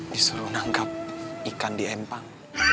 disuruh nangkap ikan di empang